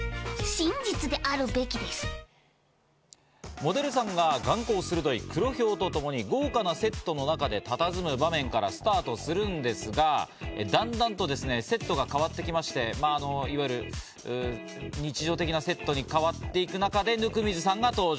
モデルさんが眼光鋭い黒ヒョウとともに豪華なセットでたたずむ場面からスタートするんですが、だんだんとセットが変わっていきましていわゆる日常的なセットに変わっていく中で温水さんが登場。